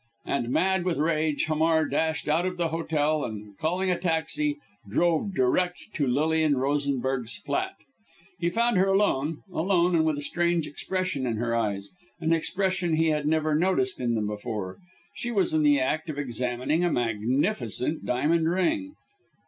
And mad with rage, Hamar dashed out of the hotel, and calling a taxi, drove direct to Lilian Rosenberg's flat. He found her alone alone and with a strange expression in her eyes an expression he had never noticed in them before. She was in the act of examining a magnificent diamond ring.